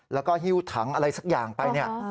แล้วก็หิวถังอะไรสักอย่างไป